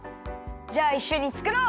じゃあいっしょにつくろう！